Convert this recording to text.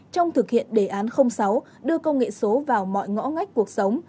trong thực hiện đề án sáu đưa công nghệ số vào mọi ngõ ngách cuộc sống